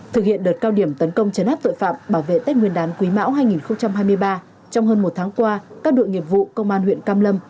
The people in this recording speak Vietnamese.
thực hiện đợt cao điểm tấn công chấn áp tội phạm bảo vệ tết nguyên đán quý mão hai nghìn hai mươi ba trong hơn một tháng qua các đội nghiệp vụ công an huyện cam lâm